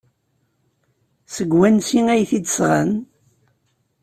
Seg wansi ay t-id-sɣan?